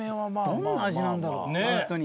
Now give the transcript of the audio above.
どんな味なんだろう本当に。